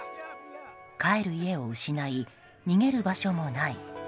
帰る家を失い逃げる場所もない。